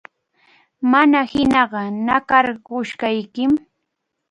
Mana hinaqa, nakʼarqusaykim.